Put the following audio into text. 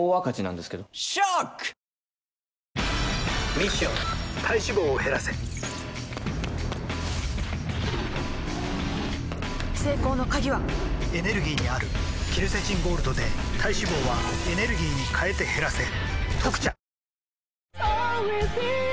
ミッション体脂肪を減らせ成功の鍵はエネルギーにあるケルセチンゴールドで体脂肪はエネルギーに変えて減らせ「特茶」